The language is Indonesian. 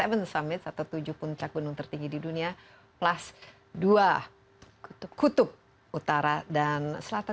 orang orang yang sudah sampai di grand summit atau tujuh puncak gunung tertinggi di dunia plus dua kutub utara dan selatan